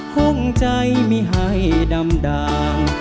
คงใจไม่ให้ดำดาง